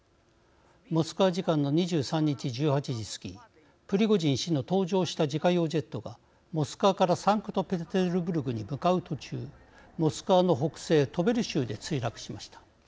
モスクワ時間の２３日１８時過ぎプリゴジン氏の搭乗した自家用ジェットがモスクワからサンクトペテルブルクに向かう途中モスクワの北西トベリ州で墜落しました。